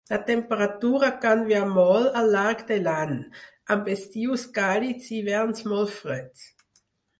La temperatura canvia molt al llarg de l'any, amb estius càlids i hiverns molt freds.